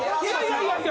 いやいや。